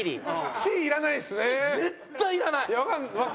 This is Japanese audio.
Ｃ絶対いらない。